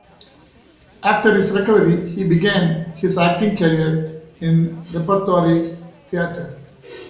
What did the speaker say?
After his recovery he began his acting career in repertory theatre.